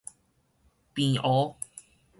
平湖